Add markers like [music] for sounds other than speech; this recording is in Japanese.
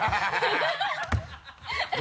ハハハ [laughs]